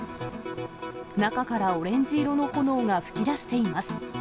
中からオレンジ色の炎が噴き出しています。